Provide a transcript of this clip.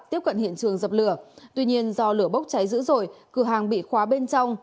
tiếp cận hiện trường dập lửa tuy nhiên do lửa bốc cháy dữ dội cửa hàng bị khóa bên trong